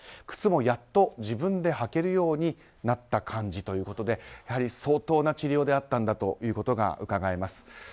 靴もやっと自分で履けるようになった感じということでやはり相当な治療であったことがうかがえます。